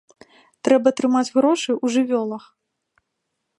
Трэба трымаць грошы ў жывёлах.